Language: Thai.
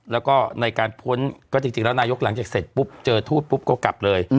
แล้วก็ในการพ้นก็จริงแล้วนายกหลังจากเสร็จปุ๊บเจอทูตปุ๊บก็กลับเลย